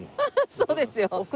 そうですよ。